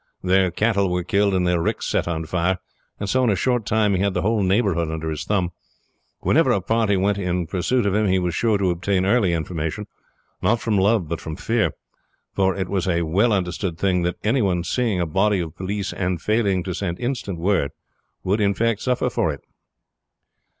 Their cattle were killed and their ricks set on fire; and so in a short time he had the whole neighborhood under his thumb. Whenever a party went in pursuit of him he was sure to obtain early information. Not from love, but from fear; for it was a well understood thing that any one seeing a body of police and failing to send instant word would suffer for it.